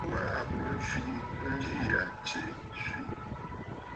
Mu wa à bùrə nswìʼi njiʼì ya tsiʼì swìʼì!